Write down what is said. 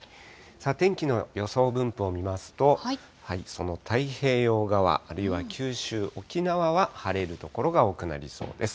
天気の予想分布を見ますと、その太平洋側、あるいは九州、沖縄は晴れる所が多くなりそうです。